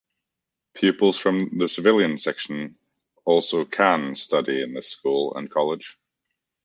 Pupils from the civilian section also can study in this school and college.